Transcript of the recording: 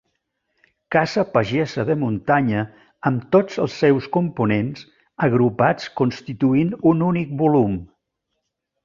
Casa pagesa de muntanya amb tots els seus components agrupats constituint un únic volum.